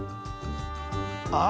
あ！